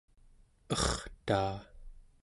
ertaa